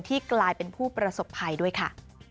กลายเป็นผู้ประสบภัยด้วยค่ะ